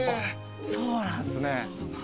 そうなんですね。